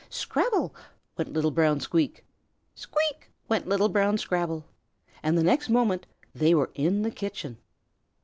"Scrabble!" went little brown Squeak. "Squeak!" went little brown Scrabble. And the next moment they were in the kitchen.